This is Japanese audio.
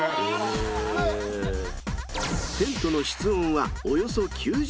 ［テントの室温はおよそ９０℃］